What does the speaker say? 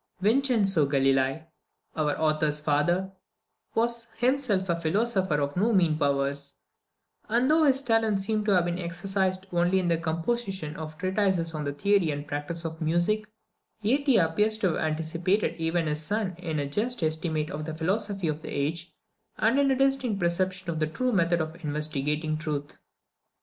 Vincenzo Galilei, our author's father, was himself a philosopher of no mean powers; and though his talents seem to have been exercised only in the composition of treatises on the theory and practice of music, yet he appears to have anticipated even his son in a just estimate of the philosophy of the age, and in a distinct perception of the true method of investigating truth.